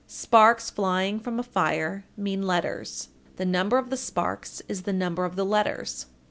Sparks flying from a fire mean letters; the number of the sparks is the number of the letters.